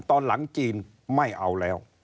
ตอนหลังจีนไม่เอาแล้ว